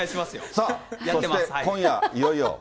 さあ、そして今夜いよいよ。